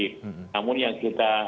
namun yang kita